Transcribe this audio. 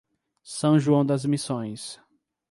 São João das Missões